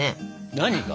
何が？